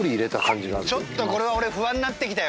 今ちょっとこれは俺不安になってきたよ